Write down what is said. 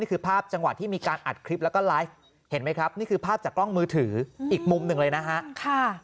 ภาพจังหวะที่มีการอัดคลิปแล้วก็ไลฟ์เห็นไหมครับนี่คือภาพจากกล้องมือถืออีกมุมหนึ่งเลยนะฮะ